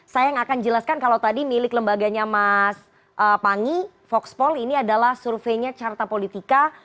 saya yang akan jelaskan kalau tadi milik lembaganya mas pangi foxpol ini adalah surveinya carta politika